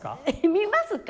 見ますか？